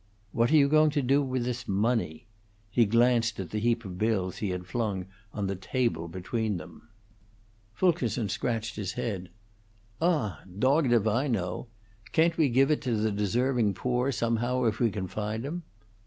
"What are you going to do with this money?" He glanced at the heap of bills he had flung on the table between them. Fulkerson scratched his head. "Ah, dogged if I know: Can't we give it to the deserving poor, somehow, if we can find 'em?"